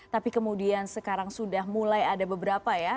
tapi kemudian sekarang sudah mulai ada beberapa ya